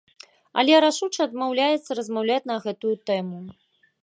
Але рашуча адмаўляецца размаўляць на гэтую тэму.